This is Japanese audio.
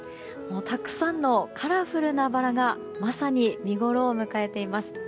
たくさんのカラフルなバラがまさに見ごろを迎えています。